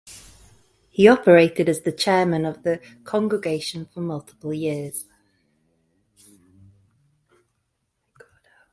He operated as the chairman of the congregation for multiple years.